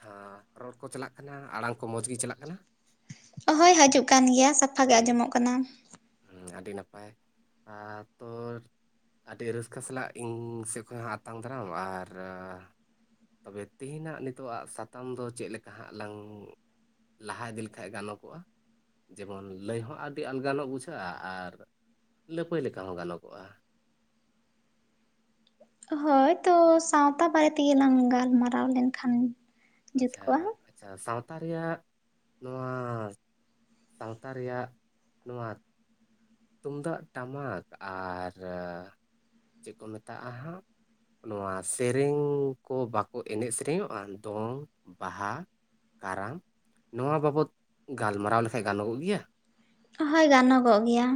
ᱦᱮᱸ ᱨᱚᱲ ᱠᱚ ᱪᱟᱞᱟᱜ ᱠᱟᱱᱟ, ᱟᱲᱟᱝ ᱠᱚ ᱢᱚᱸᱡᱽ ᱜᱮ ᱪᱟᱞᱟᱜ ᱠᱟᱱᱟ? ᱦᱳᱭ ᱦᱳᱡᱩᱜ ᱠᱟᱱ ᱜᱮᱭᱟ ᱥᱟᱯᱷᱟ ᱜᱮ ᱟᱸᱡᱚᱢᱚᱜ ᱠᱟᱱᱟ᱾ ᱦᱮᱸ ᱟᱹᱰᱤ ᱱᱟᱯᱟᱭ ᱟᱨ ᱛᱳᱨ ᱟᱹᱰᱤ ᱨᱟᱹᱥᱠᱟᱹ ᱥᱟᱞᱟᱜ ᱤᱧ ᱥᱮᱫ ᱠᱷᱚᱡ ᱦᱚᱸ ᱟᱛᱟᱝ ᱫᱟᱨᱟᱢ ᱟᱨ ᱛᱚᱵᱮ ᱛᱮᱦᱮᱧ ᱟᱜ ᱱᱤᱛᱚᱜ ᱟᱜ ᱥᱟᱛᱟᱢ ᱫᱚ ᱪᱮᱫ ᱞᱮᱠᱟ ᱦᱟᱸᱜ ᱞᱟᱝ ᱞᱟᱦᱟ ᱤᱫᱤ ᱞᱮᱠᱷᱟᱡᱽ ᱜᱟᱱᱚᱜ ᱚᱜᱼᱟ ᱡᱮᱢᱚᱱ ᱞᱟᱹᱭ ᱦᱚᱸ ᱟᱹᱰᱤ ᱟᱞᱜᱟ ᱱᱚᱜ ᱵᱩᱡᱷᱟᱹᱜᱼᱟ ᱟᱨ ᱞᱟᱹᱯᱟᱹᱭ ᱞᱮᱠᱟ ᱦᱚᱸ ᱜᱟᱱᱚᱜ ᱚᱜᱼᱟ᱾ ᱦᱳᱭ ᱛᱚ ᱥᱟᱶᱛᱟ ᱵᱟᱨᱮ ᱛᱮᱜᱮ ᱞᱟᱝ ᱜᱟᱞᱢᱟᱨᱟᱣ ᱞᱮᱱᱠᱷᱟᱱ, ᱡᱩᱛ ᱟᱪᱪᱷᱟ, ᱠᱚᱜᱼᱟ᱾ ᱟᱪᱪᱷᱟ᱾ ᱥᱟᱶᱛᱟ ᱨᱮᱭᱟᱜ, ᱱᱚᱣᱟ ᱥᱟᱶᱛᱟ ᱨᱮᱭᱟᱜ, ᱱᱚᱣᱟ ᱛᱩᱢᱫᱟᱜ ᱴᱟᱢᱟᱠ ᱟᱨ ᱪᱮᱫ ᱠᱚ ᱢᱮᱛᱟᱜᱼᱟ ᱦᱟᱸᱜ ᱱᱚᱣᱟ ᱥᱮᱨᱮᱧ ᱠᱚ ᱵᱟᱠᱚ ᱮᱱᱮᱡ ᱥᱮᱨᱮᱧᱚᱜᱼᱟ ᱫᱚᱝ, ᱵᱟᱦᱟ, ᱠᱟᱨᱟᱢ ᱱᱚᱣᱟ ᱵᱟᱵᱚᱛ ᱜᱟᱞᱢᱟᱨᱟᱣ ᱞᱮᱠᱷᱟᱡ ᱜᱟᱱᱚ ᱜᱚᱜ ᱜᱮᱭᱟ? ᱦᱳᱭ ᱜᱟᱱᱚ ᱜᱚᱜ ᱜᱮᱭᱟ,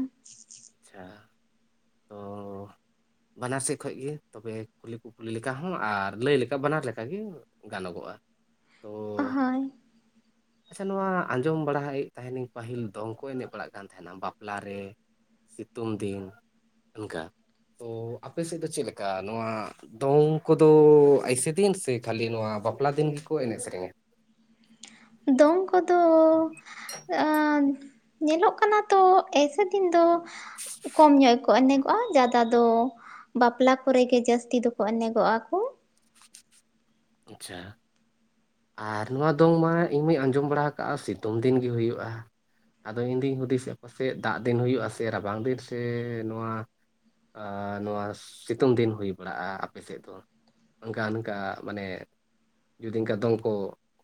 ᱟᱪᱪᱷᱟ ᱛᱚᱸᱻ ᱵᱟᱱᱟᱨ ᱥᱮᱫ ᱠᱷᱚᱡ ᱜᱮ ᱛᱚᱵᱮ ᱠᱩᱞᱤᱼᱠᱩᱠᱞᱤ ᱞᱮᱠᱟ ᱦᱚᱸ ᱟᱨ ᱞᱟᱹᱭ ᱞᱮᱠᱟ ᱵᱟᱱᱟᱨ ᱞᱮᱠᱟᱜᱮ, ᱜᱟᱱᱚ ᱜᱚᱜᱼᱟ ᱛᱚ ᱦᱳᱭ ᱟᱪᱷᱟ ᱱᱚᱣᱟ ᱟᱸᱡᱚᱢ ᱵᱟᱲᱮᱫ ᱛᱟᱦᱮᱱᱹᱧ ᱯᱟᱹᱦᱤᱞ ᱫᱚᱝ ᱠᱚ ᱮᱱᱮᱡ ᱵᱟᱲᱟᱜ ᱠᱟᱱ ᱛᱟᱦᱮᱱᱟ ᱵᱟᱯᱞᱟ ᱨᱮ ᱥᱤᱛᱩᱝ ᱫᱤᱱ ᱚᱱᱠᱟ ᱛᱚ ᱟᱯᱮ ᱥᱮᱫ ᱫᱚ ᱪᱮᱫ ᱞᱮᱠᱟ? ᱱᱚᱣᱟ ᱫᱚᱝ ᱠᱚᱫᱚ ᱟᱭᱥᱮ ᱫᱤᱱ ᱥᱮ ᱠᱷᱟᱹᱞᱤ ᱱᱚᱣᱟ ᱵᱟᱯᱞᱟ ᱫᱤᱱ ᱜᱮᱠᱚ ᱮᱱᱮᱡ ᱥᱮᱨᱮᱧᱟ᱾ ᱫᱚᱝ ᱠᱚᱫᱚ ᱟ ᱧᱮᱞᱚᱜ ᱠᱟᱱᱟ ᱛᱚ ᱮᱭᱥᱮ ᱫᱤᱱ ᱫᱚ ᱠᱚᱢ ᱧᱚᱜ ᱜᱮ ᱠᱚ ᱮᱱᱮᱡ ᱜᱚᱜᱼᱟ ᱡᱟᱫᱟ ᱫᱚ ᱵᱟᱯᱞᱟ ᱠᱚᱨᱮ ᱜᱮ ᱡᱟᱹᱥᱛᱤ ᱫᱚᱠᱚ ᱮᱱᱮ ᱜᱚᱜᱼᱟ ᱠᱚ, ᱟᱪᱪᱷᱟ ᱟᱨ ᱱᱚᱣᱟ ᱫᱚᱝ ᱢᱟ ᱤᱧ ᱢᱟᱧ ᱟᱸᱡᱚᱢ ᱵᱟᱲᱟ ᱠᱟᱜᱼᱟ ᱥᱤᱛᱩᱝ ᱫᱤᱱ ᱜᱮ ᱦᱩᱭᱩᱜᱼᱟ᱾ ᱟᱫᱚ ᱤᱧ ᱫᱩᱧ ᱦᱩᱫᱤᱥᱮᱜᱼᱟ ᱯᱟᱥᱮᱡ ᱫᱟᱜ ᱫᱤᱱ ᱦᱩᱭᱩᱜᱼᱟ ᱥᱮ ᱨᱟᱵᱟᱝ ᱫᱤᱱ ᱥᱮ ᱱᱚᱣᱟ ᱱᱚᱣᱟ ᱥᱤᱛᱩᱝ ᱫᱤᱱ ᱦᱩᱭ ᱵᱟᱲᱟᱜᱼᱟ ᱟᱯᱮ ᱥᱮᱫ ᱫᱚ ᱚᱱᱠᱟ ᱚᱱᱠᱟ ᱢᱟᱱᱮ ᱡᱩᱫᱤ ᱤᱱᱠᱟ ᱫᱚᱝᱠᱚ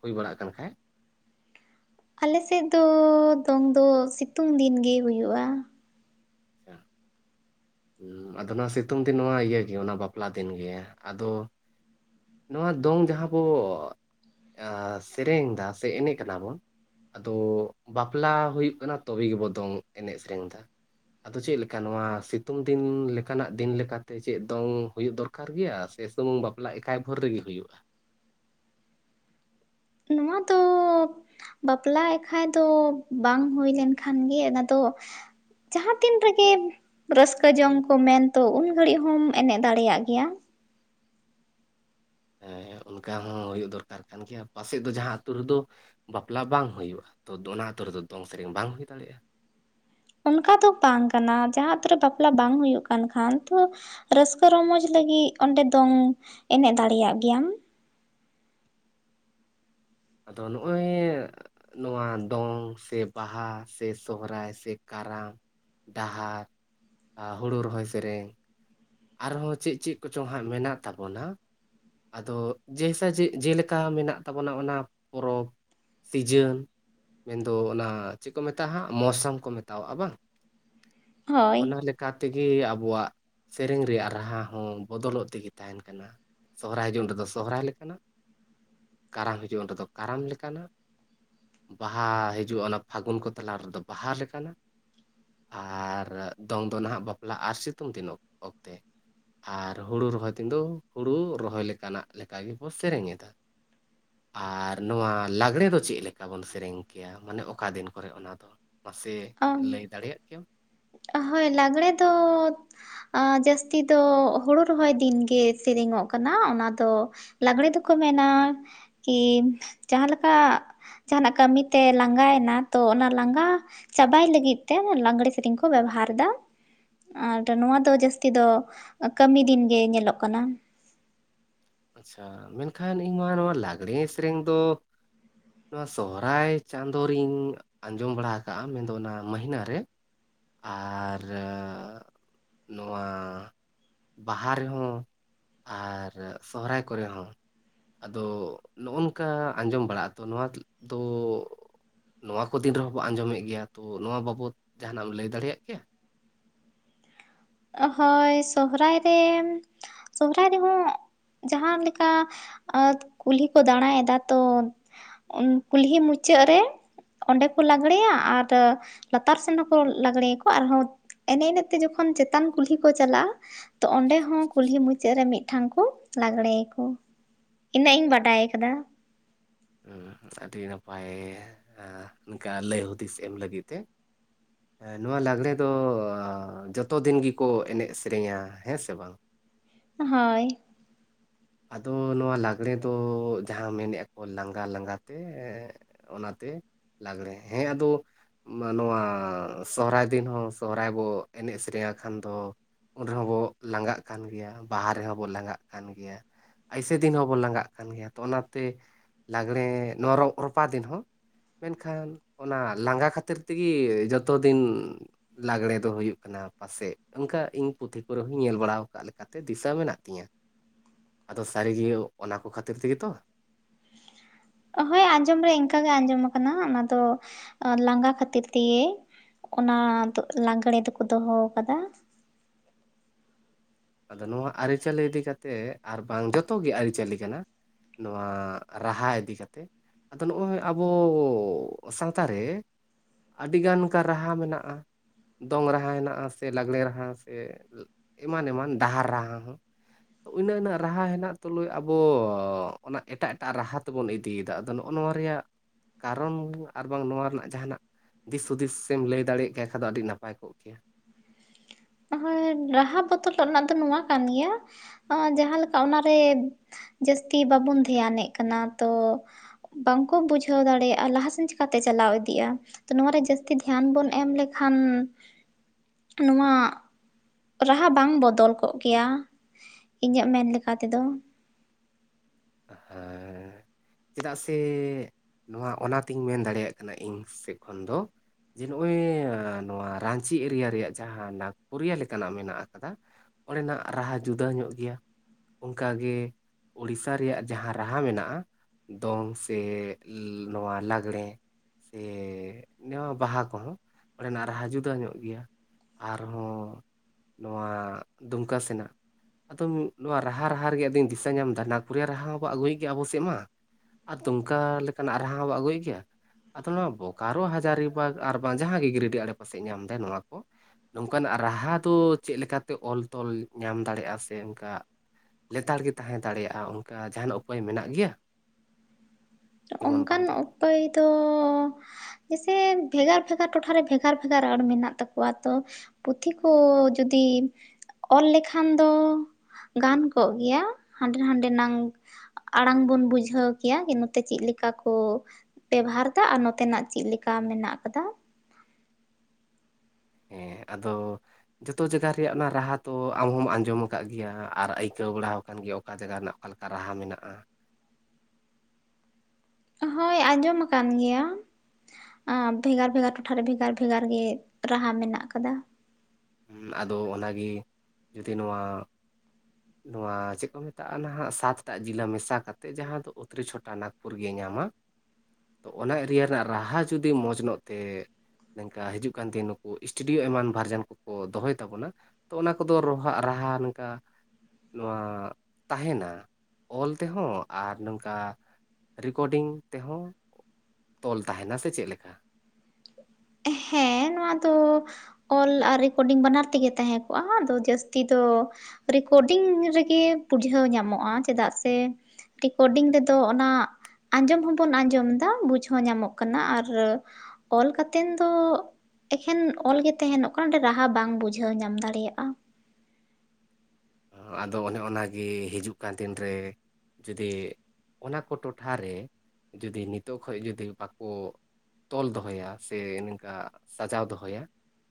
ᱦᱩᱭ ᱵᱟᱲᱟᱜ ᱠᱟᱱ ᱠᱷᱟᱡ ᱟᱞᱮᱥᱮᱫ ᱫᱚ ᱫᱚᱝ ᱫᱚ ᱥᱤᱛᱩᱝ ᱫᱤᱱ ᱜᱮ ᱦᱩᱭᱩᱜᱼᱟ [unintelligible] ᱦᱚ ᱟᱫᱚ ᱱᱚᱣᱟ ᱥᱤᱛᱩᱝ ᱫᱤᱱ ᱱᱚᱣᱟ ᱤᱭᱟᱹᱟᱹᱜᱮ ᱚᱱᱟ ᱵᱟᱯᱞᱟ ᱫᱤᱱ ᱜᱮ ᱟᱫᱚ ᱱᱚᱣᱟ ᱫᱚᱝ ᱡᱟᱦᱟᱸ ᱵᱚ ᱥᱮᱨᱮᱧ ᱫᱟ ᱥᱮ ᱮᱱᱮᱡ ᱠᱟᱱᱟ ᱵᱚᱱ ᱟᱫᱚ ᱵᱟᱯᱞᱟ ᱦᱩᱭᱩᱜ ᱠᱟᱱᱟ ᱛᱚᱵᱮ ᱜᱮᱵᱚ ᱫᱚᱝ ᱮᱱᱮᱡ ᱥᱮᱨᱮᱧ ᱮᱫᱟ ᱟᱫᱚ ᱪᱮᱫᱞᱮᱠᱟ ᱱᱚᱣᱟ ᱥᱤᱛᱩᱝ ᱫᱤᱱ ᱞᱮᱠᱟᱱᱟᱜ ᱫᱤᱱ ᱞᱮᱠᱟᱛᱮ ᱪᱮᱫ ᱫᱚᱝ ᱦᱩᱭᱩᱜ ᱫᱚᱨᱠᱟᱨ ᱫᱚᱨᱠᱟᱨ ᱜᱮᱭᱟ ᱥᱮ ᱥᱩᱢᱩᱝ ᱵᱟᱯᱞᱟ ᱮᱠᱟᱭ ᱵᱷᱳᱨ ᱨᱮᱜᱮ ᱦᱩᱭᱩᱜᱼᱟ ᱱᱚᱣᱟ ᱫᱚ ᱵᱟᱯᱞᱟ ᱮᱱᱠᱷᱟ ᱫᱚ ᱵᱟᱝ ᱦᱩᱭ ᱞᱮᱱᱠᱷᱟᱱ ᱜᱮ ᱚᱱᱟᱫᱚ ᱡᱟᱦᱟᱸ ᱛᱤᱱ ᱨᱮᱜᱮ ᱨᱟᱹᱥᱠᱟᱹ ᱡᱚᱝ ᱠᱚ ᱢᱮᱱᱛᱚ ᱩᱱ ᱜᱷᱟᱹᱲᱤᱡ ᱦᱚᱢ ᱮᱱᱮᱡ ᱫᱟᱲᱮᱭᱟᱜ ᱜᱮᱭᱟ ᱦᱮᱸ ᱚᱱᱠᱟ ᱦᱚᱸ ᱦᱩᱭᱩᱜ ᱫᱚᱨᱠᱟᱨ ᱠᱟᱱ ᱜᱮᱭᱟ ᱯᱟᱥᱮᱡ ᱫᱚ ᱡᱟᱦᱟᱸ ᱟᱹᱛᱩ ᱨᱮᱫᱚ ᱵᱟᱯᱞᱟ ᱵᱟᱝ ᱦᱩᱭᱩᱜᱼᱟ ᱛᱚ ᱚᱱᱟ ᱟᱹᱛᱩ ᱨᱮᱫᱚ ᱫᱚᱝ ᱥᱮᱨᱮᱧ ᱵᱟᱝ ᱦᱩᱭ ᱫᱟᱲᱮᱭᱟᱜᱼᱟ ᱚᱱᱠᱟ ᱫᱚ ᱵᱟᱝ ᱠᱟᱱᱟ ᱡᱟᱦᱟᱸ ᱟᱛᱩᱨᱮ ᱵᱟᱯᱞᱟ ᱵᱟᱝ ᱦᱩᱭᱩᱜ ᱠᱟᱱ ᱠᱷᱟᱱ ᱛᱚ ᱨᱟᱹᱥᱠᱟᱹ ᱨᱚᱢᱚᱡ ᱞᱟᱹᱜᱤᱫ ᱚᱸᱰᱮ ᱫᱚᱝ ᱮᱱᱮᱡ ᱫᱟᱲᱮᱭᱟᱜ ᱜᱮᱭᱟᱢ ᱟᱫᱚ ᱱᱚᱜᱼᱚᱭ ᱱᱚᱣᱟ ᱫᱚᱝ ᱥᱮ ᱵᱟᱦᱟ ᱥᱮ ᱥᱚᱦᱨᱟᱭ ᱥᱮ ᱠᱟᱨᱟᱢ ᱰᱟᱦᱟᱨ ᱟᱨ ᱦᱩᱲᱩ ᱨᱚᱦᱚᱭ ᱥᱮᱨᱮᱧ ᱟᱨᱦᱚᱸ ᱪᱮᱫ ᱪᱮᱫ ᱠᱚᱪᱚᱝ ᱦᱟᱸᱜ ᱢᱮᱱᱟᱜ ᱛᱟᱵᱚᱱᱟ ᱟᱫᱚ ᱡᱮᱭᱥᱮ ᱡᱮᱞᱮᱠᱟ ᱢᱮᱱᱟᱜ ᱛᱟᱵᱚᱱᱟ ᱚᱱᱟ ᱯᱚᱨᱚᱵᱽ ᱥᱤᱡᱮᱱ ᱢᱮᱱᱫᱚ ᱚᱱᱟ ᱪᱮᱫ ᱠᱚ ᱢᱮᱛᱟᱜ ᱦᱟᱜ ᱢᱳᱥᱚᱢ ᱠᱚ ᱢᱮᱛᱟᱣᱟᱜᱼᱟ ᱵᱟᱝ ᱦᱳᱭ ᱚᱱᱟ ᱞᱮᱠᱟ ᱛᱮᱜᱮ ᱟᱵᱚᱣᱟᱜ ᱥᱮᱨᱮᱧ ᱨᱮᱭᱟᱜ ᱨᱟᱦᱟ ᱦᱚᱸ ᱵᱚᱫᱚᱞᱚᱜ ᱛᱮᱜᱮ ᱛᱟᱦᱮᱱ ᱠᱟᱱᱟ ᱥᱚᱦᱨᱟᱭ ᱦᱤᱡᱩᱜᱼᱟ ᱩᱱᱰᱮ ᱫᱚ ᱥᱚᱦᱨᱟᱭ ᱡᱳᱱ ᱨᱮᱫᱚ ᱥᱚᱦᱚᱨᱟᱭ ᱞᱮᱠᱟᱱᱟᱜ ᱠᱟᱨᱟᱢ ᱦᱤᱡᱩᱜᱼᱟ ᱩᱱᱸᱨᱮ ᱫᱚ ᱠᱟᱨᱟᱢ ᱞᱮᱠᱟᱱᱟᱜ ᱵᱟᱦᱟ ᱦᱤᱡᱩᱜᱼᱟ ᱚᱱᱟ ᱯᱷᱟᱹᱜᱩᱱ ᱠᱚ ᱛᱟᱞᱟ ᱨᱮᱫᱚ ᱵᱟᱦᱟ ᱞᱮᱠᱟᱱᱟᱜ ᱟᱨ ᱫᱚᱝ ᱫᱚ ᱱᱟᱦᱟᱜ ᱵᱟᱯᱞᱟ ᱟᱨ ᱥᱤᱛᱩᱝ ᱫᱤᱱ ᱚᱠᱛᱮ ᱟᱨ ᱦᱩᱲᱩ ᱨᱚᱦᱚᱭ ᱛᱤᱧᱩ ᱦᱩᱲᱩ ᱨᱚᱦᱚᱭ ᱞᱮᱠᱟᱱᱟᱜ ᱞᱮᱠᱟ ᱜᱮᱵᱚ ᱥᱮᱨᱮᱧᱮᱫᱟ᱾ ᱟᱨ ᱱᱚᱣᱟ ᱞᱟᱜᱽᱲᱮ ᱫᱚ ᱪᱮᱫ ᱞᱮᱠᱟ ᱵᱚᱱ ᱥᱮᱨᱮᱧ ᱠᱮᱭᱟ ᱢᱟᱱᱮ ᱚᱠᱟ ᱫᱤᱱ ᱠᱚᱨᱮ ᱚᱱᱟ ᱫᱚ ᱢᱟᱥᱮ ᱞᱟᱹᱭ ᱫᱟᱲᱮᱭᱟᱜ ᱠᱮᱭᱟᱢ? ᱦᱳᱭ ᱞᱟᱜᱽᱲᱮ ᱫᱚ ᱡᱟᱹᱥᱛᱤ ᱫᱚ ᱦᱩᱲᱩ ᱨᱚᱦᱚᱭ ᱫᱤᱱ ᱜᱮ ᱥᱮᱨᱮᱧᱚᱜ ᱠᱟᱱᱟ ᱚᱱᱟ ᱫᱚ ᱞᱟᱜᱽᱲᱮ ᱫᱚ ᱠᱚ ᱢᱮᱱᱟ ᱠᱤ ᱡᱟᱦᱟᱸ ᱞᱮᱠᱟ ᱡᱟᱦᱟᱱᱟᱜ ᱠᱟᱹᱢᱤ ᱛᱮ ᱞᱟᱸᱜᱟᱭᱮᱱᱟ ᱛᱚ ᱚᱱᱟ ᱞᱟᱸᱜᱟ ᱪᱟᱵᱟᱭ ᱞᱟᱹᱜᱤᱫ ᱛᱮ ᱞᱟᱸᱜᱽᱲᱮ ᱥᱮᱨᱮᱧ ᱠᱚ ᱠᱚ ᱵᱮᱵᱚᱦᱟᱨᱫᱟ ᱟᱨ ᱱᱚᱶᱟ ᱫᱚ ᱡᱟᱹᱥᱛᱤ ᱫᱚ ᱠᱟᱹᱢᱤ ᱫᱤᱱ ᱜᱮ ᱧᱮᱞᱚᱜ ᱠᱟᱱᱟ᱾ ᱟᱪᱷᱟ ᱢᱮᱱᱠᱷᱟᱱ ᱤᱧᱢᱟ ᱱᱚᱶᱟ ᱞᱟᱜᱽᱲᱮ ᱥᱮᱨᱮᱧ ᱫᱚ ᱱᱚᱣᱟ ᱥᱚᱦᱨᱟᱭ ᱪᱟᱸᱫᱳ ᱨᱤᱧ ᱟᱸᱡᱚᱢ ᱵᱟᱲᱟ ᱟᱠᱟᱟᱜᱼᱟ ᱢᱮᱱᱫᱚ ᱚᱱᱟ ᱢᱟᱹᱦᱤᱱᱟᱹ ᱨᱮ ᱟᱨ ᱱᱚᱶᱟ ᱵᱟᱦᱟ ᱨᱮᱦᱚᱸ ᱟᱨ ᱥᱚᱦᱨᱟᱭ ᱠᱚᱨᱮ ᱦᱚᱸ ᱟᱫᱚ ᱱᱚᱜᱼᱚ ᱱᱚᱝᱠᱟ ᱟᱸᱡᱚᱢ ᱵᱟᱲᱟᱜᱼᱟ ᱟ ᱛᱚ ᱱᱚᱣᱟ ᱫᱚ ᱱᱚᱣᱟ ᱠᱚ ᱫᱤᱱ ᱨᱮᱦᱚᱸ ᱵᱚ ᱟᱸᱡᱚᱢᱮᱫ ᱜᱮᱭᱟ ᱛᱚ ᱱᱚᱣᱟ ᱵᱟᱵᱚᱫ ᱡᱟᱦᱱᱟᱜ ᱮᱢ ᱞᱟᱹᱭ ᱫᱟᱲᱮᱭᱟᱜ ᱠᱮᱭᱟ ᱦᱳᱭ ᱥᱚᱦᱨᱟᱭ ᱨᱮ ᱥᱚᱦᱨᱟᱭ ᱨᱮᱦᱚᱸ ᱡᱟᱦᱟᱸ ᱞᱮᱠᱟ ᱠᱩᱞᱦᱤ ᱠᱚ ᱫᱟᱬᱟᱭ ᱮᱫᱟ ᱛᱚ ᱠᱩᱞᱦᱤ ᱢᱩᱪᱟᱹᱫ ᱨᱮ ᱚᱸᱰᱮ ᱠᱚ ᱞᱟᱸᱜᱽᱲᱮᱭᱟ ᱟᱨ ᱞᱟᱛᱟᱨ ᱥᱮᱱ ᱦᱚᱸᱠᱚ ᱞᱟᱸᱜᱽᱲᱮᱭᱟ ᱠᱚ ᱟᱨᱦᱚᱸ ᱮᱱᱮᱡ ᱮᱱᱮᱡ ᱛᱮ ᱡᱚᱠᱷᱚᱱ ᱪᱮᱛᱟᱱ ᱠᱩᱞᱦᱤ ᱠᱚ ᱪᱟᱞᱟᱜᱼᱟ ᱛᱚ ᱚᱸᱰᱮᱦ ᱠᱩᱞᱦᱤ ᱢᱩᱪᱟᱹᱫ ᱨᱮ ᱢᱤᱫ ᱴᱷᱟᱝ ᱠᱚ ᱞᱟᱸᱜᱽᱲᱮᱭᱟᱠᱚ ᱤᱱᱟᱹᱜ ᱤᱧ ᱵᱟᱰᱟᱭ ᱟᱠᱟᱫᱟ ᱦᱮᱸ ᱟᱹᱰᱤ ᱱᱟᱯᱟᱭ [unintelligible] ᱱᱚᱠᱟ ᱞᱟᱹᱭ ᱦᱩᱫᱤᱥ ᱮᱢ ᱞᱟᱹᱜᱤᱫ ᱛᱮ ᱮᱸ ᱱᱚᱣᱟ ᱞᱟᱜᱽᱲᱮ ᱫᱚ ᱡᱚᱛᱚ ᱫᱤᱱ ᱜᱮᱠᱚ ᱮᱱᱮᱡ ᱥᱮᱨᱮᱧᱟ ᱦᱮᱸ ᱥᱮ ᱵᱟᱝ ᱦᱳᱭ ᱟᱫᱚ ᱱᱚᱣᱟ ᱞᱟᱜᱽᱲᱮ ᱫᱚ ᱡᱟᱦᱟᱸ ᱢᱮᱱᱮᱫ ᱟᱠᱚ ᱞᱟᱸᱜᱟ ᱞᱟᱸᱜᱟ ᱛᱮ [unintelligible] ᱚᱱᱟᱛᱮ ᱞᱟᱜᱽᱲᱮ ᱦᱮᱸ ᱟᱫᱚ ᱢᱟ ᱱᱚᱣᱟ ᱥᱚᱦᱨᱟᱭ ᱫᱤᱱ ᱦᱚᱸ ᱥᱚᱦᱨᱟᱭ ᱵᱚ ᱮᱱᱮᱡ ᱥᱮᱨᱮᱧ ᱟᱠᱷᱟᱱ ᱫᱚ ᱩᱱ ᱨᱮᱦᱚᱸ ᱵᱚ ᱞᱟᱸᱜᱟᱜ ᱠᱟᱱ ᱜᱮᱭᱟ ᱵᱟᱦᱟ ᱨᱮᱦᱚᱸ ᱵᱚ ᱞᱟᱸᱜᱟᱜ ᱠᱟᱱ ᱜᱮᱭᱟ ᱟᱭᱥᱮ ᱫᱤᱱ ᱦᱚᱸᱵᱚᱱ ᱞᱟᱸᱜᱟᱜ ᱠᱟᱱ ᱜᱮᱭᱟ ᱛᱚ ᱚᱱᱟᱛᱮ ᱞᱟᱜᱽᱲᱮ ᱱᱚᱣᱟ ᱨᱚ ᱨᱚᱯᱟ ᱫᱤᱱ ᱦᱚᱸ ᱢᱮᱱᱠᱷᱟᱱ ᱚᱱᱟ ᱞᱟᱸᱜᱟ ᱠᱷᱟᱹᱛᱤᱨ ᱛᱤᱜᱤ ᱡᱚᱛᱚ ᱫᱤᱱ ᱞᱟᱜᱽᱲᱮ ᱫᱚ ᱦᱩᱭᱩᱜ ᱠᱟᱱᱟ ᱯᱟᱥᱮᱡ ᱚᱱᱠᱟ ᱤᱧ ᱯᱩᱛᱷᱤ ᱠᱚᱨᱮ ᱦᱚᱸᱧ ᱧᱮᱞ ᱵᱟᱲᱟ ᱟᱠᱟᱫ ᱞᱮᱠᱟᱛᱮ ᱫᱤᱥᱟᱹ ᱢᱮᱱᱟᱜ ᱛᱤᱧᱟᱹ ᱟᱫᱚ ᱥᱟᱹᱨᱤᱜᱮᱭᱳ ᱚᱱᱟ ᱠᱚ ᱠᱷᱟᱹᱛᱤᱨ ᱛᱤᱜᱤ ᱛᱚ ᱦᱚᱭ ᱟᱸᱡᱚᱢ ᱨᱮ ᱤᱱᱠᱟᱜᱮ ᱟᱸᱡᱚᱢ ᱟᱠᱟᱱᱟ ᱚᱱᱟ ᱫᱚ ᱞᱟᱸᱜᱟ ᱠᱷᱟᱹᱛᱤᱨ ᱛᱤᱜᱤ ᱚᱱᱟ ᱫᱚ ᱞᱟᱜᱽᱲᱮ ᱫᱚᱠᱚ ᱫᱚᱦᱚ ᱟᱠᱟᱫᱟ ᱟᱫᱚ ᱱᱚᱣᱟ ᱟᱹᱨᱤᱪᱟᱹᱞᱤ ᱤᱫᱤ ᱠᱟᱛᱮ ᱟᱨ ᱵᱟᱝ ᱡᱚᱛᱚ ᱜᱮ ᱟᱹᱨᱤᱪᱟᱹᱞᱤ ᱠᱟᱱᱟ ᱱᱚᱣᱟ ᱨᱟᱦᱟ ᱤᱫᱤ ᱠᱟᱛᱮᱫ ᱟᱫᱚ ᱱᱚᱜᱼᱚᱭ ᱟᱵᱚ ᱥᱟᱶᱛᱟ ᱨᱮ ᱟᱹᱰᱤ ᱜᱟᱱ ᱚᱱᱠᱟ ᱨᱟᱦᱟ ᱢᱮᱱᱟᱜᱼᱟ ᱫᱚᱝ ᱨᱟᱦᱟ ᱦᱮᱱᱟᱜᱼᱟ ᱥᱮ ᱞᱟᱜᱽᱲᱮ ᱨᱟᱦᱟ ᱥᱮ [unintelligible] ᱮᱢᱟᱱ ᱮᱢᱟᱱ ᱰᱟᱦᱟᱨ ᱨᱟᱦᱟ ᱦᱚᱸ ᱤᱱᱟᱹᱜ ᱤᱱᱟᱹᱜ ᱨᱟᱦᱟ ᱦᱮᱱᱟᱜ ᱛᱩᱞᱩᱡ ᱟᱵᱚ ᱚᱱᱟ ᱮᱴᱟᱜ ᱮᱴᱟᱜ ᱨᱟᱦᱟ ᱛᱮᱵᱚᱱ ᱤᱫᱤ ᱤᱫᱤᱭᱮᱫᱟ ᱟᱫᱚ ᱱᱚᱜᱼᱚ ᱱᱚᱣᱟ ᱨᱮᱭᱟᱜ ᱠᱟᱨᱚᱱ ᱟᱨ ᱵᱟᱝ ᱱᱚᱣᱟ ᱨᱮᱱᱟᱜ ᱡᱟᱦᱟᱱᱟᱜ ᱫᱤᱥ ᱦᱩᱫᱤᱥ ᱮᱢ ᱞᱟᱹᱭ ᱫᱟᱲᱮᱭᱟᱜ ᱠᱷᱟᱡ ᱫᱚ ᱟᱹᱰᱤ ᱱᱟᱯᱟᱭ ᱠᱚᱜ ᱠᱮᱭᱟ ᱦᱳᱭ ᱨᱟᱦᱟ ᱵᱚᱫᱚᱞᱚᱜ ᱨᱮᱱᱟᱜ ᱫᱚ ᱱᱚᱣᱟ ᱠᱟᱱ ᱜᱮᱭᱟ [unintelligible] ᱡᱟᱦᱟᱸ ᱞᱮᱠᱟ ᱚᱱᱟᱨᱮ ᱡᱟᱹᱥᱛᱤ ᱵᱟᱵᱚᱱ ᱫᱷᱮᱭᱟᱱᱮᱜ ᱠᱟᱱᱟ ᱛᱚ ᱵᱟᱝᱠᱚ ᱵᱩᱡᱷᱟᱹᱣ ᱫᱟᱲᱮᱭᱟᱜᱼᱟ ᱞᱟᱦᱟ ᱥᱮᱱ ᱪᱤᱠᱟᱛᱮ ᱪᱟᱞᱟᱣ ᱤᱫᱤᱜᱼᱟ ᱱᱚᱣᱟ ᱨᱮ ᱡᱟᱹᱥᱛᱤ ᱫᱷᱮᱭᱟᱱ ᱵᱚᱱ ᱮᱢ ᱞᱮᱠᱷᱟᱱ ᱱᱚᱣᱟ ᱨᱟᱦᱟ ᱵᱟᱝ ᱵᱚᱫᱚᱞ ᱠᱚᱜ ᱠᱮᱭᱟ ᱤᱧᱟᱹᱜ ᱢᱮᱱ ᱞᱮᱠᱟ ᱛᱮᱫᱚ ᱦᱮᱸ ᱪᱮᱫᱟᱜ ᱥᱮ ᱱᱚᱣᱟ ᱚᱱᱟᱛᱤᱧ ᱢᱮᱱ ᱫᱟᱲᱮᱭᱟᱜ ᱠᱟᱱᱟ ᱤᱧ ᱥᱮᱫ ᱠᱷᱚᱱ ᱫᱚ ᱡᱮ ᱱᱚᱜᱼᱚᱸᱭ ᱱᱚᱣᱟ ᱨᱟᱺᱪᱤ ᱮᱨᱤᱭᱟ ᱨᱮᱭᱟᱜ ᱡᱟᱦᱟᱸ ᱱᱟᱜᱽᱯᱚᱨᱤᱭᱟᱹ ᱞᱮᱠᱟᱱᱟᱜ ᱢᱮᱱᱟᱜ ᱟᱠᱟᱫᱟ ᱚᱸᱰᱮᱱᱟᱜ ᱨᱟᱦᱟ ᱡᱩᱫᱟᱹ ᱧᱚᱜ ᱜᱮᱭᱟ ᱚᱱᱠᱟᱜᱮ [unintelligible] [unintelligible] ᱨᱮᱭᱟᱜ ᱡᱟᱦᱟᱸ ᱨᱟᱦᱟ ᱢᱮᱱᱟᱜᱼᱟ ᱫᱚᱝ ᱥᱮ ᱱᱚᱣᱟ ᱞᱟᱜᱽᱲᱮ ᱥᱮ ᱱᱚᱣᱟ ᱵᱟᱦᱟ ᱠᱚᱦᱚᱸ ᱚᱸᱰᱮᱱᱟᱜ ᱨᱟᱦᱟ ᱡᱩᱫᱟᱹ ᱧᱚᱜ ᱜᱮᱭᱟ ᱟᱨᱦᱚᱸ ᱱᱚᱣᱟ ᱫᱩᱢᱠᱟ ᱥᱮᱱᱟᱜ ᱟᱫᱚᱢ ᱱᱚᱣᱟ ᱨᱟᱦᱟ ᱨᱟᱦᱟ ᱨᱮᱜᱮ ᱟᱫᱚᱧ ᱫᱤᱥᱟᱹ ᱧᱟᱢ ᱮᱫᱟ ᱱᱟᱜᱽᱯᱚᱨᱤᱭᱟ ᱨᱟᱦᱟ ᱦᱚᱸᱠᱚ ᱟᱹᱜᱩᱭ ᱜᱮᱭᱟ ᱟᱵᱚ ᱥᱮᱫ ᱢᱟ ᱟᱨ ᱛᱩᱝᱠᱟ ᱞᱮᱠᱟᱱᱟᱜ ᱨᱟᱦᱟ ᱦᱚᱸ ᱵᱚ ᱟᱹᱜᱩᱭ ᱜᱮᱭᱟ ᱟᱫᱚ ᱱᱚᱣᱟ ᱵᱳᱠᱟᱨᱳ ᱦᱟᱡᱟᱨᱤᱵᱟᱜᱽ ᱟᱨ ᱵᱟᱝ ᱡᱟᱦᱟᱸ ᱜᱮ ᱜᱤᱨᱤᱰᱤ ᱟᱲᱮᱯᱟᱥᱮ ᱧᱟᱢ ᱫᱟᱭ ᱱᱚᱣᱟ ᱠᱚ ᱱᱚᱝᱠᱟᱱᱟᱜ ᱨᱟᱦᱟ ᱫᱚ ᱪᱮᱫ ᱞᱮᱠᱟᱛᱮ ᱚᱞ ᱛᱚᱞ ᱧᱟᱢ ᱫᱟᱲᱮᱭᱟᱜᱼᱟ ᱥᱮ ᱚᱱᱠᱟ ᱞᱮᱛᱟᱲ ᱜᱮ ᱛᱟᱦᱮᱸ ᱫᱟᱲᱮᱭᱟᱜᱼᱟ ᱚᱱᱠᱟ ᱡᱟᱦᱱᱟᱜ ᱩᱯᱟᱹᱭ ᱢᱮᱱᱟᱜ ᱜᱮᱭᱟ [inaudible] ᱡᱮᱢᱚᱱ ᱚᱱᱠᱟᱱ ᱵᱟᱝ ᱩᱯᱟᱹᱭ ᱫᱚ [unintelligible] ᱦᱮᱥᱮ ᱵᱷᱮᱜᱟᱨ ᱵᱷᱮᱜᱟᱨ ᱴᱚᱴᱷᱟᱨᱮ ᱵᱷᱮᱜᱟᱨ ᱵᱷᱮᱜᱟᱨ ᱨᱚᱲ ᱢᱮᱱᱟᱜ ᱛᱟᱠᱚᱣᱟ ᱛᱚ ᱯᱩᱛᱷᱤ ᱠᱚ ᱡᱩᱫᱤ ᱚᱞ ᱞᱮᱠᱷᱟᱱ ᱫᱚ ᱜᱟᱱ ᱠᱚᱜ ᱜᱮᱭᱟ ᱦᱟᱸᱰᱮ ᱱᱟᱸᱰᱮ ᱱᱟᱝ ᱟᱲᱟᱝ ᱵᱚᱱ ᱵᱩᱡᱷᱟᱹᱣ ᱠᱮᱭᱟ [unintelligible] ᱱᱚᱛᱮ ᱪᱤᱫ ᱞᱮᱠᱟ ᱠᱚ ᱵᱮᱵᱦᱷᱟᱨ ᱫᱟ ᱟᱨ ᱱᱚᱛᱮᱱᱟᱜ ᱪᱮᱫ ᱞᱤᱠᱟ ᱢᱮᱱᱟᱜ ᱟᱠᱟᱫᱟ ᱦᱮᱸ ᱟᱫᱚ ᱡᱚᱛᱚ ᱡᱟᱜᱟ ᱨᱮᱭᱟᱜ ᱚᱱᱟ ᱨᱟᱦᱟ ᱛᱚ ᱟᱢ ᱦᱚᱢ ᱟᱸᱡᱚᱢ ᱟᱠᱟᱫ ᱜᱮᱭᱟ ᱟᱨ ᱟᱹᱭᱠᱟᱹᱣ ᱵᱟᱲᱟ ᱠᱟᱱ ᱜᱮᱭᱟ ᱚᱠᱟ ᱡᱟᱜᱟ ᱨᱮᱱᱟᱜ ᱚᱠᱟ ᱞᱮᱠᱟ ᱨᱟᱦᱟ ᱢᱮᱱᱟᱜᱼᱟ ᱦᱚᱭ ᱟᱸᱡᱚᱢ ᱠᱟᱱ ᱜᱮᱭᱟ [unintelligible] ᱵᱷᱮᱜᱟᱨ-ᱵᱷᱮᱜᱟᱨ ᱴᱚᱴᱷᱟ ᱨᱮ ᱵᱷᱮᱜᱟᱨ-ᱵᱷᱮᱜᱟᱨ ᱜᱮ ᱨᱟᱦᱟ ᱢᱮᱱᱟᱜ ᱟᱠᱟᱫᱟ ᱟᱫᱚ ᱚᱱᱟᱜᱮ ᱡᱩᱫᱤ ᱱᱚᱣᱟ ᱱᱚᱣᱟ ᱪᱮᱫ ᱠᱚ ᱢᱮᱛᱟᱜᱼᱟ ᱱᱟᱦᱟᱜ ᱥᱟᱛᱴᱟᱜ ᱡᱤᱞᱟ ᱢᱮᱥᱟ ᱠᱟᱛᱮᱜ ᱡᱟᱦᱟᱸ ᱫᱚ ᱩᱛᱨᱤ ᱪᱷᱚᱴᱟᱱᱟᱜᱽᱯᱩᱨ ᱜᱮᱭ ᱧᱟᱢᱟ ᱛᱚ ᱚᱱᱟ ᱮᱨᱤᱭᱟ ᱨᱮᱱᱟᱜ ᱨᱟᱦᱟ ᱡᱩᱫᱤ ᱢᱚᱸᱡᱽ ᱧᱚᱜ ᱛᱮ ᱱᱤᱝᱠᱟ ᱦᱤᱡᱩᱜ ᱠᱟᱱ ᱫᱤᱱ ᱱᱩᱠᱩ ᱥᱴᱮᱰᱤᱭᱳ ᱮᱢᱟᱱ ᱵᱷᱟᱨᱡᱟᱱ ᱠᱚ ᱠᱚ ᱫᱚᱦᱚᱭ ᱛᱟᱵᱚᱱᱟ ᱛᱚ ᱚᱱᱟ ᱠᱚᱫᱚ ᱨᱚᱯᱷᱟ ᱨᱟᱦᱟ ᱱᱚᱝᱠᱟ ᱱᱚᱣᱟ ᱛᱟᱦᱮᱱᱟ ᱚᱞ ᱛᱮᱦᱚᱸ ᱟᱨ ᱱᱚᱝᱠᱟ ᱨᱮᱠᱳᱨᱰᱤᱝ ᱛᱮᱦᱚᱸ ᱛᱚᱞ ᱛᱟᱦᱮᱱᱟ ᱥᱮ ᱪᱮᱫ ᱞᱮᱠᱟ ᱦᱮᱸ ᱱᱚᱣᱟ ᱫᱚ ᱚᱞ ᱟᱨ ᱨᱮᱠᱳᱰᱤᱝ ᱵᱟᱱᱟᱨ ᱛᱮᱜᱮ ᱛᱟᱦᱮᱸ ᱠᱚᱜᱼᱟ ᱟᱫᱚ ᱡᱟᱹᱥᱛᱤ ᱫᱚ ᱨᱮᱠᱳᱰᱤᱝ ᱨᱮᱜᱮ ᱵᱩᱡᱷᱟᱹᱣ ᱧᱟᱢᱚᱜᱼᱟ ᱪᱮᱫᱟᱜ ᱥᱮ ᱨᱮᱠᱚᱰᱤᱝ ᱨᱮᱫᱚ ᱚᱱᱟ ᱟᱸᱡᱚᱢ ᱦᱚᱸᱵᱚᱱ ᱟᱸᱡᱚᱢ ᱮᱫᱟ ᱵᱩᱡᱷᱟᱹᱣ ᱦᱚᱸ ᱧᱟᱢᱚᱜ ᱠᱟᱱᱟ ᱟᱨ ᱚᱞ ᱠᱟᱛᱮ [unintelligible] ᱫᱚ ᱮᱠᱮᱱ ᱚᱞ ᱜᱮ ᱛᱟᱦᱮᱱᱚᱜ ᱠᱟᱱᱟ ᱚᱸᱰᱮ ᱨᱟᱦᱟ ᱵᱟᱝ ᱵᱩᱡᱷᱟᱹᱣ ᱧᱟᱢ ᱫᱟᱲᱮᱭᱟᱜᱼᱟ ᱟᱫᱚ ᱚᱱᱮ ᱚᱱᱟᱜᱮ ᱦᱤᱡᱩᱜ ᱠᱟᱱ ᱫᱤᱱ ᱨᱮ ᱡᱩᱫᱤ ᱚᱱᱟ ᱠᱚ ᱴᱚᱴᱷᱟᱨᱮ ᱡᱩᱫᱤ ᱱᱤᱛᱚᱜ ᱠᱷᱚᱡ ᱡᱩᱫᱤ ᱵᱟᱠᱚ ᱛᱚᱞ ᱫᱚᱦᱚᱭᱟ ᱥᱮ ᱱᱚᱝᱠᱟ ᱥᱟᱡᱟᱣ ᱫᱚᱦᱚᱭᱟ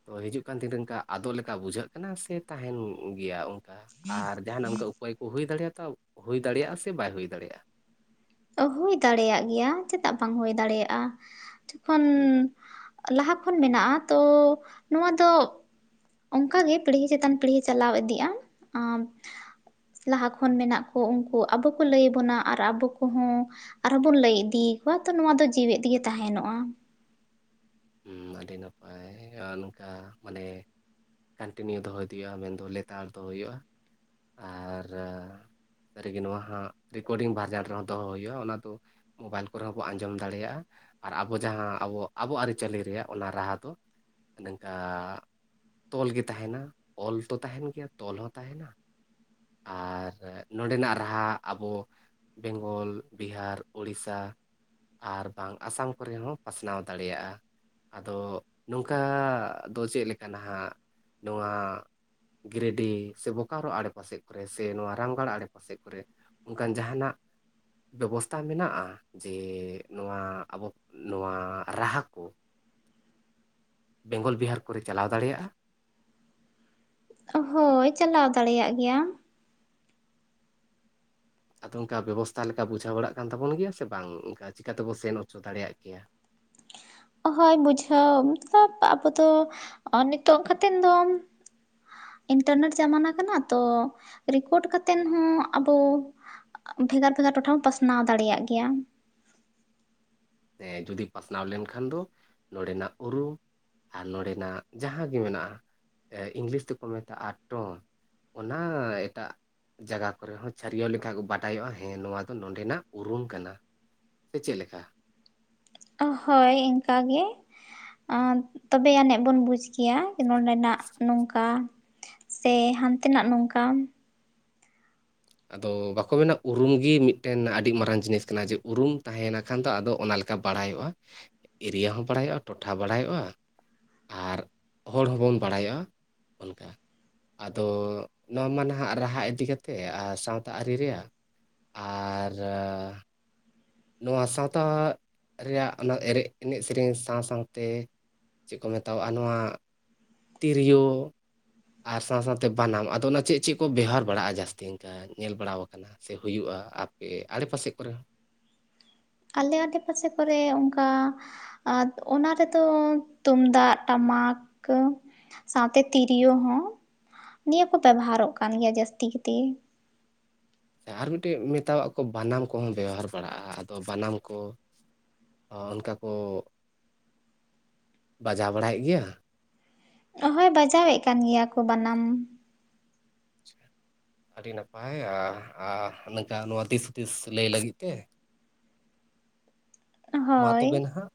ᱛᱚ ᱦᱤᱡᱩᱜ ᱠᱟᱱ ᱫᱤᱱ ᱚᱱᱠᱟ ᱟᱫᱚᱜ ᱞᱮᱠᱟ ᱵᱩᱡᱷᱟᱹᱜ ᱠᱟᱱᱟ ᱥᱮ ᱛᱟᱦᱮᱱ ᱜᱮᱭᱟ ᱚᱱᱠᱟ ᱟᱨ ᱡᱟᱦᱟᱱᱟᱜ ᱚᱱᱠᱟ ᱩᱯᱟᱹᱭ ᱠᱚ ᱦᱩᱭ ᱫᱟᱲᱮᱭᱟᱜ ᱦᱩᱭ ᱫᱟᱲᱮᱭᱟᱜᱼᱟ ᱥᱮ ᱵᱟᱭ ᱦᱩᱭ ᱫᱟᱲᱮᱭᱟᱜᱼᱟ ᱦᱩᱭ ᱫᱟᱲᱮᱭᱟᱜ ᱜᱮᱭᱟ ᱪᱮᱫᱟᱜ ᱵᱟᱝ ᱦᱩᱭ ᱫᱟᱲᱮᱭᱟᱜᱼᱟ ᱡᱚᱠᱷᱚᱱ ᱞᱟᱦᱟ ᱠᱷᱚᱱ ᱢᱮᱱᱟᱜᱼᱟ ᱛᱚ ᱱᱚᱣᱟ ᱫᱚ ᱚᱝᱠᱟ ᱜᱮ ᱯᱤᱲᱦᱤ ᱪᱮᱛᱟᱱ ᱯᱤᱲᱦᱤ ᱪᱟᱞᱟᱣ ᱤᱫᱤᱜᱼᱟ ᱟᱨ ᱞᱟᱦᱟ ᱠᱷᱚᱱ ᱢᱮᱱᱟᱜ ᱠᱚ ᱩᱝᱠᱩ ᱟᱵᱚ ᱠᱚ ᱞᱟᱹᱭ ᱟᱵᱚᱱᱟ ᱟᱨ ᱟᱵᱚ ᱠᱚᱦᱚᱸ ᱟᱨᱦᱚᱸ ᱵᱚᱱ ᱞᱟᱹᱭ ᱤᱫᱤᱭᱟᱠᱚᱣᱟ ᱛᱚ ᱱᱚᱣᱟ ᱫᱚ ᱡᱤᱣᱮᱫ ᱛᱮᱜᱮ ᱛᱟᱦᱮᱱᱚᱜᱼᱟ [unintelligible] ᱟᱹᱰᱤ ᱱᱟᱯᱟᱭ [unintelligible] ᱱᱚᱝᱠᱟ ᱢᱟᱱᱮ ᱠᱚᱱᱴᱤᱱᱤᱭᱩ ᱫᱚᱦᱚᱭ ᱤᱫᱤ ᱦᱩᱭᱩᱜᱼᱟ ᱢᱮᱱᱫᱚ ᱞᱮᱛᱟᱲ ᱫᱚᱦᱚ ᱦᱩᱭᱩᱜᱼᱟ ᱟᱨ ᱨᱮᱜᱮ ᱱᱚᱣᱟ ᱦᱟᱸᱜ ᱨᱮᱠᱳᱨᱰᱤᱝ ᱵᱷᱟᱨᱡᱟᱱ ᱨᱮᱦᱚᱸ ᱫᱚᱦᱚ ᱦᱩᱭᱩᱜᱼᱟ ᱚᱱᱟ ᱫᱚ ᱢᱳᱵᱟᱭᱤᱞ ᱠᱚᱨᱮ ᱦᱚᱸ ᱵᱚᱱ ᱟᱸᱡᱚᱢ ᱫᱟᱲᱮᱭᱟᱜᱼᱟ ᱟᱨ ᱟᱵᱚ ᱡᱟᱦᱟᱸ ᱟᱵᱚ ᱟᱵᱚᱣᱟᱜ ᱟᱨᱤ- ᱪᱟᱹᱞᱤ ᱨᱮᱭᱟᱜ ᱚᱱᱟ ᱨᱟᱦᱟ ᱫᱚ ᱱᱚᱝᱠᱟ ᱛᱚᱞ ᱜᱮ ᱛᱟᱦᱮᱱᱟ ᱚᱞ ᱛᱚ ᱛᱟᱦᱮᱱ ᱜᱮᱭᱟ ᱛᱚᱞ ᱦᱚᱸ ᱛᱟᱦᱮᱱᱟ ᱟᱨ [unintelligible] ᱱᱚᱰᱮᱱᱟᱜ ᱨᱟᱦᱟ ᱟᱵᱚ ᱵᱮᱝᱜᱚᱞ ᱵᱤᱦᱟᱨ ᱳᱲᱤᱥᱟ ᱟᱨ ᱵᱟᱝ ᱟᱥᱟᱢ ᱠᱚᱨᱮ ᱦᱚᱸ ᱯᱟᱥᱱᱟᱣ ᱫᱟᱲᱮᱭᱟᱜᱼᱟ ᱟᱫᱚ ᱱᱚᱝᱠᱟ ᱫᱚ ᱪᱮᱫ ᱞᱮᱠᱟ ᱱᱟᱦᱟᱜ ᱱᱚᱣᱟ ᱜᱤᱨᱤᱰᱤ ᱥᱮ ᱵᱳᱠᱟᱨᱳ ᱟᱢᱲᱮᱯᱟᱥᱮ ᱠᱚᱨᱮ ᱥᱮ ᱱᱚᱣᱟ ᱨᱟᱢᱜᱟᱲ ᱟᱲᱮᱯᱟᱥᱮ ᱠᱚᱨᱮ ᱚᱱᱠᱟᱱ ᱡᱟᱦᱟᱱᱟᱜ ᱵᱮᱵᱚᱥᱛᱷᱟ ᱢᱮᱱᱟᱜᱼᱟ ᱡᱮ ᱱᱚᱣᱟ ᱟᱵᱚ ᱱᱚᱣᱟ ᱨᱟᱦᱟ ᱠᱚ ᱵᱮᱝᱜᱚᱞ ᱵᱤᱦᱟᱨ ᱠᱚᱨᱮ ᱪᱟᱞᱟᱣ ᱫᱟᱲᱮᱭᱟᱜᱼᱟ ᱦᱳᱭ ᱪᱟᱞᱟᱣ ᱫᱟᱲᱮᱭᱟᱜ ᱜᱮᱭᱟᱢ ᱟᱫᱚ ᱚᱝᱠᱟ ᱵᱮᱵᱚᱥᱛᱛᱟ ᱞᱮᱠᱟ ᱵᱩᱡᱷᱟᱹᱣ ᱵᱟᱲᱟᱜ ᱠᱟᱱ ᱛᱟᱵᱚᱱ ᱜᱮᱭᱟ ᱥᱮ ᱵᱟᱝ ᱚᱝᱠᱟ ᱪᱤᱠᱟᱛᱮᱵᱚ ᱥᱮᱱ ᱚᱪᱚ ᱫᱟᱲᱮᱭᱟᱜ ᱠᱮᱭᱟ ᱦᱳᱭ ᱵᱩᱡᱷᱟᱹᱣ ᱢᱚᱛᱞᱚᱵᱽ ᱟᱵᱚ ᱫᱚ ᱱᱤᱛᱚᱜ ᱠᱟᱛᱮᱱ ᱫᱚ ᱤᱱᱴᱟᱨᱱᱮᱴ ᱡᱟᱢᱟᱱᱟ ᱠᱟᱱᱟ ᱛᱚ ᱨᱮᱠᱳᱨᱰ ᱠᱟᱛᱮᱱ ᱦᱚᱸ ᱟᱵᱚ ᱵᱷᱮᱜᱟᱨ-ᱵᱷᱮᱜᱟᱨ ᱴᱚᱴᱷᱟ [unintelligible] ᱯᱟᱥᱱᱟᱣ ᱫᱟᱲᱮᱭᱟᱜ ᱜᱮᱭᱟ [unintelligible] ᱡᱩᱫᱤ ᱯᱟᱥᱱᱟᱣ ᱞᱮᱱᱠᱷᱟᱱ ᱫᱚ ᱱᱚᱰᱮᱱᱟᱜ ᱩᱨᱩᱢ ᱟᱨ ᱱᱚᱰᱮᱱᱟᱜ ᱡᱟᱦᱟᱸ ᱜᱮ ᱢᱮᱱᱟᱜᱼᱟ [unintelligible] ᱤᱝᱞᱤᱥ ᱛᱮᱠᱚ ᱢᱮᱛᱟᱜᱼᱟ ᱴᱚᱱ ᱚᱱᱟ ᱮᱴᱟᱜ ᱡᱟᱭᱜᱟ ᱠᱚᱨᱮ ᱦᱚᱸ ᱪᱷᱟᱹᱨᱭᱟᱹᱣ ᱞᱮᱠᱷᱟᱱ ᱠᱚ ᱵᱟᱰᱟᱭᱚᱜᱼᱟ ᱦᱮᱸ ᱱᱚᱣᱟ ᱫᱚ ᱱᱚᱰᱮᱱᱟᱜ ᱩᱨᱩᱢ ᱠᱟᱱᱟ ᱥᱮ ᱪᱮᱫ ᱞᱮᱠᱟ ᱦᱳᱭ ᱤᱱᱠᱟᱜ ᱜᱮ [unintelligible] ᱛᱚᱵᱮ ᱟᱹᱱᱤᱡ ᱵᱚᱱ ᱵᱩᱡᱽ ᱠᱤᱭᱟ ᱱᱚᱸᱰᱮᱱᱟᱜ ᱱᱚᱝᱠᱟ ᱥᱮ ᱦᱟᱱᱛᱮ ᱱᱟᱜ ᱱᱚᱝᱠᱟ ᱾ ᱟᱫᱚ ᱵᱟᱠᱚ ᱢᱮᱱᱟ ᱩᱨᱩᱢ ᱜᱮ ᱢᱤᱫᱴᱮᱱ ᱟᱹᱰᱤ ᱢᱟᱨᱟᱝ ᱡᱤᱱᱤᱥ ᱠᱟᱱᱟ ᱡᱮ ᱩᱨᱩᱢ ᱛᱟᱦᱮᱱᱟ ᱠᱷᱟᱱ ᱫᱚ ᱟᱫᱚ ᱚᱱᱟ ᱞᱮᱠ ᱠᱟ ᱵᱟᱲᱟᱭᱚᱜᱼᱟ ᱮᱨᱤᱭᱟ ᱦᱚᱸ ᱵᱟᱲᱟᱭᱚᱜᱼᱟ ᱴᱚᱴᱷᱟ ᱵᱟᱲᱟᱭᱚᱜᱼᱟ᱾ ᱟᱨ ᱦᱚᱲ ᱦᱚᱸ ᱵᱚᱱ ᱵᱟᱲᱟᱭᱟ ᱚᱱᱠᱟ ᱾ ᱟᱫᱚ ᱱᱚᱣᱟ ᱢᱟ ᱱᱟᱦᱟᱜ ᱨᱟᱦᱟ ᱤᱫᱤ ᱠᱟᱛᱮ ᱟᱨ ᱥᱟᱶᱛᱟ ᱟᱹᱨᱤ ᱨᱮᱭᱟᱜ ᱟᱨ ᱨᱚ ᱱᱚᱣᱟ ᱥᱟᱶᱛᱟ ᱨᱮᱭᱟᱜ ᱚᱱᱟ ᱮᱨᱮᱜ ᱮᱱᱮᱡ ᱥᱮᱨᱮᱧ ᱥᱟᱶ ᱥᱟᱶᱛᱮ ᱪᱮᱜ ᱠᱚ ᱢᱮᱛᱟᱣᱟᱜ-ᱟ ᱱᱚᱣᱟ ᱛᱤᱨᱤᱭᱳ ᱟᱨ ᱥᱟᱶ ᱥᱟᱶᱛᱮ ᱵᱟᱱᱟᱢ, ᱟᱫᱚ ᱚᱱᱟ ᱪᱮᱜ ᱪᱮᱜ ᱠᱚ ᱵᱮᱣᱦᱟᱨ ᱵᱟᱲᱟᱜ-ᱟ ᱡᱟᱹᱥᱛᱤ ᱤᱝᱠᱟ? ᱧᱮᱞ ᱵᱟᱲᱟᱣ ᱠᱟᱱᱟ ᱥᱮ ᱦᱩᱭᱩᱜᱼᱟ ᱟᱯᱮ ᱟᱲᱮᱯᱟᱥᱮ ᱠᱚᱨᱮ ᱦᱚᱸ ᱾ ᱟᱞᱮ ᱟᱰᱮ ᱯᱟᱥᱮ ᱠᱚᱨᱮ ᱚᱝᱠᱟ ᱟᱨ ᱚᱱᱟ ᱨᱮᱫᱚ ᱛᱩᱢᱫᱟᱜ ᱴᱟᱢᱟᱠ ᱠᱟᱹ ᱾ ᱥᱟᱶᱛᱮ ᱛᱤᱨᱭᱳ ᱦᱚᱸ ᱱᱤᱭᱟᱹ ᱠᱚ ᱵᱮᱵᱚᱦᱟᱨᱚᱜ ᱠᱟᱱ ᱜᱮᱭᱟ ᱡᱟᱹᱥᱛᱤ ᱠᱤᱛᱮ ᱾ ᱟᱨ ᱢᱤᱫᱴᱮᱱ ᱢᱮᱛᱟᱣᱟᱜ ᱠᱚ ᱵᱟᱱᱟᱢ ᱠᱚᱦᱚᱸ ᱵᱮᱣᱦᱟᱨ ᱵᱟᱲᱟᱜᱼᱟ ᱟᱫᱚ ᱵᱟᱱᱟᱢ ᱠᱚ ᱚ ᱚᱱᱠᱟ ᱠᱩ ᱵᱟᱡᱟᱣ ᱵᱟᱲᱟᱭᱮᱜ ᱜᱤᱭᱟ? ᱦᱚᱭ ᱵᱟᱡᱟᱣᱮᱜ ᱠᱟᱱ ᱜᱮᱭᱟ ᱠᱚ ᱵᱟᱱᱟᱢ ᱾ [inaudible] ᱟᱹᱰᱤ ᱱᱟᱯᱟᱭ ᱟ ᱟ ᱱᱮᱝᱠᱟ ᱱᱚᱣᱟ ᱫᱤᱥ ᱦᱩᱫᱤᱥ ᱞᱟᱹᱭ ᱞᱟᱹᱜᱤᱛ ᱛᱮ ᱾ ᱢᱟ ᱦᱳᱭ ᱛᱚᱵᱮ ᱱᱟᱦᱟᱜ᱾